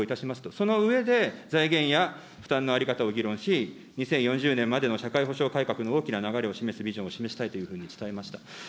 その上で、財源や負担の在り方を議論し、２０４０年までの社会保障改革の大きな流れを示すビジョンを示したいということを伝えました。